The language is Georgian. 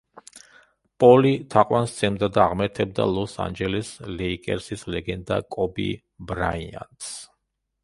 პოლი თაყვანს სცემდა და აღმერთებდა „ლოს-ანჯელეს ლეიკერსის“ ლეგენდა კობი ბრაიანტს.